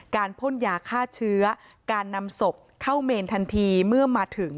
พ่นยาฆ่าเชื้อการนำศพเข้าเมนทันทีเมื่อมาถึง